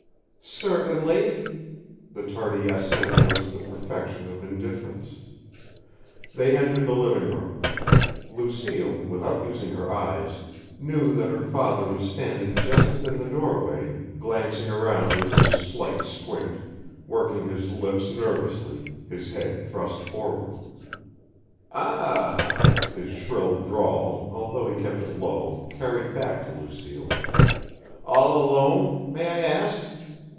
"Certainly." The tardy assent was the perfection of indifference. They entered the living room. Lucille, without using her eyes, knew that her father was standing just within the doorway, glancing around with his slight squint, working his lips nervously, his head thrust forward. "Ah h!" his shrill drawl, although he kept it low, carried back to Lucille. "All alone may I ask?"